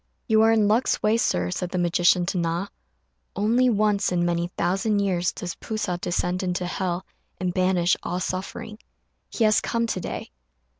"You are in luck's way, Sir," said the magician to Na; "only once in many thousand years does P'u sa descend into hell and banish all suffering. He has come to day."